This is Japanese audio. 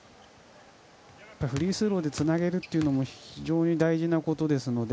フリースローでつなげるというのも非常に大事なことですので。